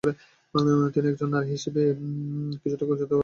তিনি একজন নারী হিসেবে বেশ কিছু উচ্চতা আরোহণের রেকর্ড তৈরি করেছেন।